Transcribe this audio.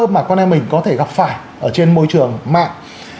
mà con em mình có thể gặp phải ở trên môi trường mạng